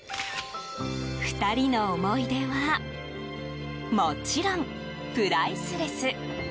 ２人の思い出はもちろんプライスレス！